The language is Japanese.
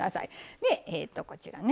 でこちらね